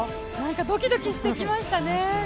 ドキドキしてきましたね！